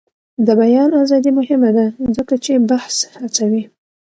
د بیان ازادي مهمه ده ځکه چې بحث هڅوي.